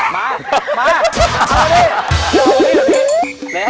มามาเอาเลย